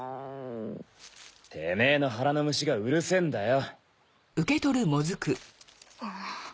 テメェの腹の虫がうるせぇんだよ。